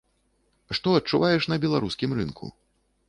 Што адчуваеш на беларускім рынку?